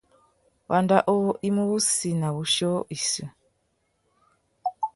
Wanda uwú i mú wussi nà wuchiô issú.